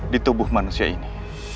di tubuh manusia ini